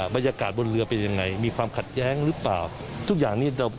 บรรยากาศบนเรือเป็นยังไงมีความขัดแย้งหรือเปล่าทุกอย่างนี้เรา